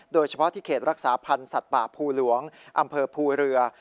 โดยเฉพาะที่เขตรักษาพันธ์สัตว์ป่าภูหลวงอำเภอภูเรือ